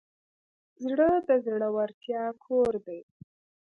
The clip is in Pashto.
زړه د زړورتیا کور دی.